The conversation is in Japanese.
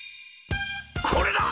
「これだ！